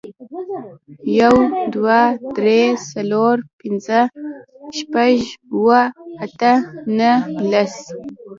یو, دوه, درې, څلور, پنځه, شپږ, اووه, اته, نهه, لس